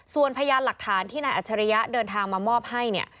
ส่วนพยานหลักฐานที่นายอัจฉริยะเดินทางมามอบให้เนี่ย